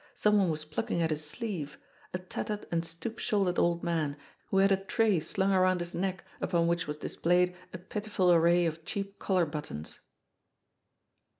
Some one was pluck ing at his sleeve a tattered and stoop shouldered old man, who had a tray slung around his neck upon which was dis played a pitiful array of cheap collar buttons.